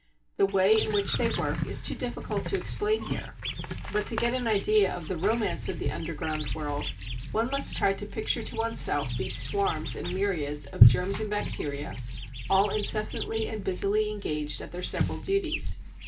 The way in which they work is too difficult to explain here, but to get an idea of the romance of the underground world one must try to picture to oneself these swarms and myriads of germs and bacteria all incessantly and busily engaged at their several duties.